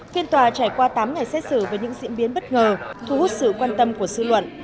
phiên tòa trải qua tám ngày xét xử về những diễn biến bất ngờ thu hút sự quan tâm của dư luận